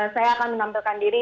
saya akan menampilkan diri